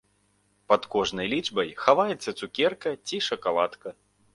Пад кожнай лічбай хаваецца цукерка ці шакаладка.